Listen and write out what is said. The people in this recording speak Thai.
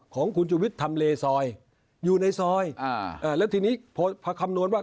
ของคุณชุวิตทำเลซอยอยู่ในซอยอ่าแล้วทีนี้พอคำนวณว่า